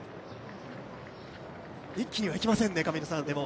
一気にはいきませんね。